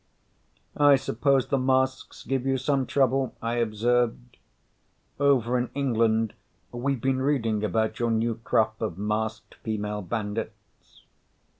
"I suppose the masks give you some trouble," I observed. "Over in England we've been reading about your new crop of masked female bandits."